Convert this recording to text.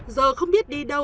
giờ không biết đi đâu